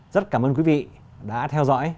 rất cảm ơn quý vị đã theo dõi